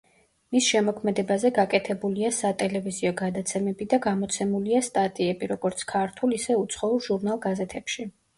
მის შემოქმედებაზე გაკეთებულია სატელევიზიო გადაცემები და გამოცემულია სტატიები, როგორც ქართულ ისე უცხოურ ჟურნალ გაზეთებში.